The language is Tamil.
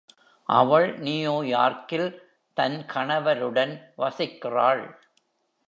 அவள் நியூ யார்க்கில் தன் கணவருடன் வசிக்கிறாள்.